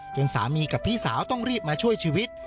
สามีกับพี่สาวต้องรีบมาช่วยชีวิต